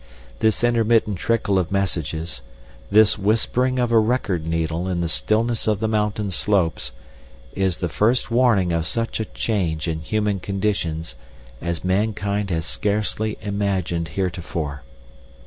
This intermittent trickle of messages, this whispering of a record needle in the stillness of the mountain slopes, is the first warning of such a change in human conditions as mankind has scarcely imagined heretofore.